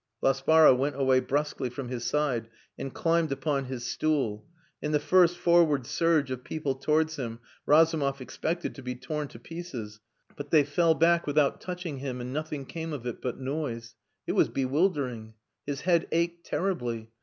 Laspara went away brusquely from his side and climbed upon his stool. In the first forward surge of people towards him, Razumov expected to be torn to pieces, but they fell back without touching him, and nothing came of it but noise. It was bewildering. His head ached terribly.